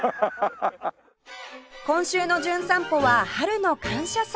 今週の『じゅん散歩』は春の感謝祭